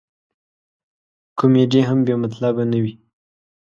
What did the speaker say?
کمیډي هم بې مطلبه نه وي.